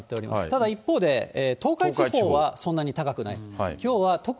ただ一方で、東海地方はそんなに高くない。